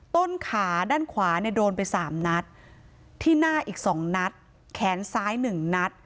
ต้นขาด้านขวาเนี่ยโดนไป๓นัดที่หน้าอีก๒นัดแขนซ้าย๑นัด